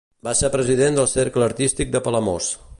Va ser president del Cercle Artístic de Palamós.